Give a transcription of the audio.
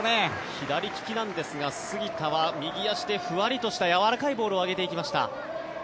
左利きなんですが杉田は右足でふわりとしたやわらかいボールを上げていきました。